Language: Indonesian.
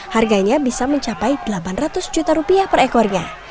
harganya bisa mencapai delapan ratus juta rupiah per ekornya